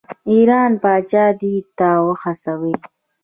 ایران پاچا دې ته وهڅوي.